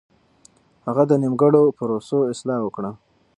هغه د نيمګړو پروسو اصلاح وکړه.